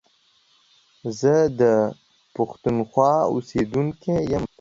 زه دا پښتونخوا اوسيدونکی يم.